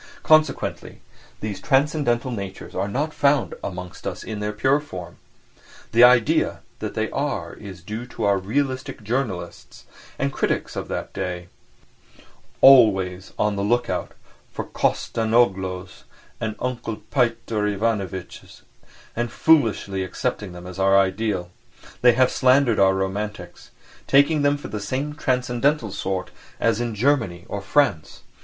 Consequently these transcendental natures are not found amongst us in their pure form. The idea that they are is due to our "realistic" journalists and critics of that day, always on the look out for Kostanzhoglos and Uncle Pyotr Ivanitchs and foolishly accepting them as our ideal; they have slandered our romantics, taking them for the same transcendental sort as in Germany or France.